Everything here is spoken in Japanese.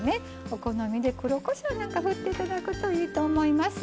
お好みで黒こしょうなんか振っていただくといいと思います。